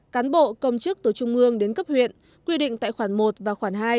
cán bộ công chức tổ trung mương đến cấp huyện quy định tại khoản một và khoản hai